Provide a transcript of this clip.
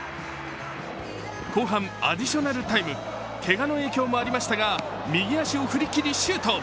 後半アディショナルタイムけがの影響もありましたが右足を振り切り、シュート。